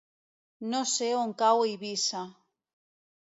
No sé on cau Eivissa.